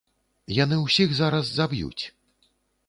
Яны ўсіх зараз заб'юць.